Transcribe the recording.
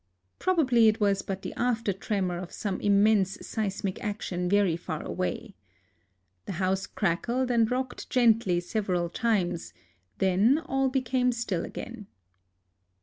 Probably it was but the after tremor of some immense seismic action very far away. The house crackled and rocked gently several times ; then all became still again.